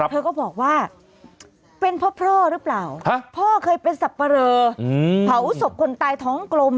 เธอก็บอกว่าเป็นเพราะพ่อหรือเปล่าพ่อเคยเป็นสับปะเรอเผาศพคนตายท้องกลม